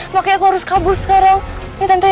makanya aku harus kabur sekarang ya tante ya tolongin aku ya